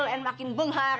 dan makin benghar